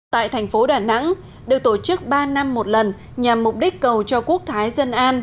tại thành phố đà nẵng được tổ chức ba năm một lần nhằm mục đích cầu cho quốc thái dân an